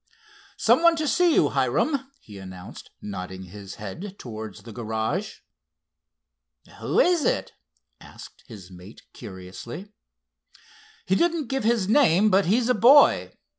"Some one to see you, Hiram," he announced, nodding his head towards the garage. "Who is it?" asked his mate curiously. "He didn't give his name, but he's a boy.